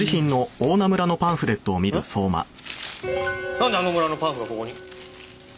なんであの村のパンフがここに？